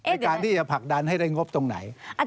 ในการที่จะผลักดันให้ได้งบตรงไหน